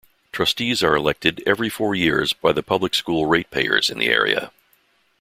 Trustees are elected every four years by the public school ratepayers in their area.